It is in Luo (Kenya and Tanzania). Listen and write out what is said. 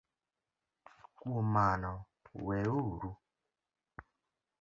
Kuom mano, weuru